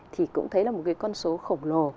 thì cũng thấy là một cái con số khổng lồ